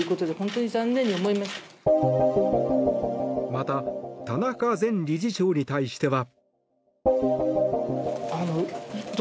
また田中前理事長に対しては。